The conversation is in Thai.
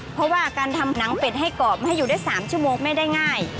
เพราะว่าการทำหนังเป็ดให้กรอบให้อยู่ได้๓ชั่วโมงไม่ได้ง่าย